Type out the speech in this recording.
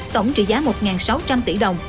tổng trị giá một sáu trăm linh tỷ đồng